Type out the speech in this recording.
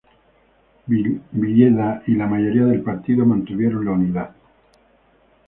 Villeda y la mayoría del partido mantuvieron la unidad.